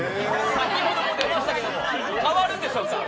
先ほども出ましたが変わるんでしょうか？